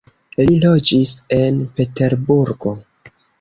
Li loĝis en Peterburgo.